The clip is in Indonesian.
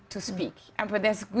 tapi ada alasan yang bagus